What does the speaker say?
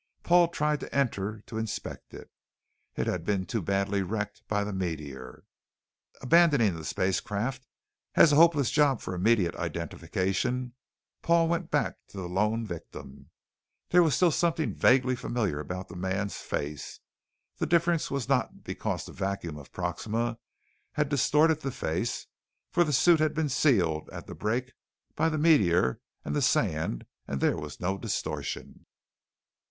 Paul tried to enter to inspect it. It had been too badly wrecked by the meteor. Abandoning the spacecraft as a hopeless job for immediate identification, Paul went back to the lone victim. There was still something vaguely familiar about the man's face. The difference was not because the vacuum of Proxima had distorted the face, for the suit had been sealed at the break by the meteor and the sand and there was no distortion.